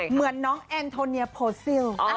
เหมือนน้องแอนโทเนียโพซิล